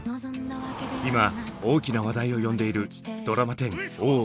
いま大きな話題を呼んでいるドラマ１０「大奥」。